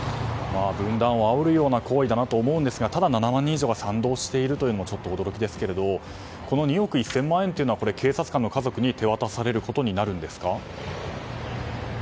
分断をあおるような行為だなと思うんですがただ７万人以上が賛同しているのも驚きですけどこの２億１０００万円というのは警察官の家族に手渡されることになるんですか？